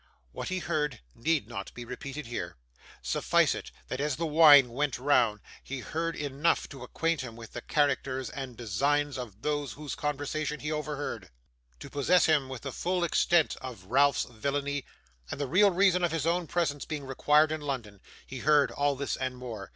What he heard need not be repeated here. Suffice it that as the wine went round he heard enough to acquaint him with the characters and designs of those whose conversation he overhead; to possess him with the full extent of Ralph's villainy, and the real reason of his own presence being required in London. He heard all this and more.